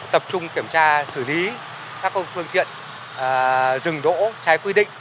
tập trung kiểm tra xử lý các phương tiện dừng đỗ trái quy định